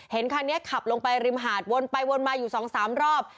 เห็นคันนี้ขับลงไปริมหาดวนไปวนมาอยู่สองสามรอบ